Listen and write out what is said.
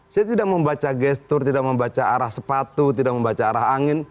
saya tidak membaca gestur tidak membaca arah sepatu tidak membaca arah angin